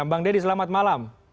bang deddy selamat malam